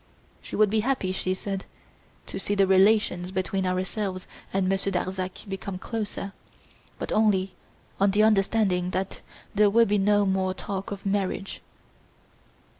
She would be happy, she said, to see the relations between ourselves and Monsieur Darzac become closer, but only on the understanding that there would be no more talk of marriage."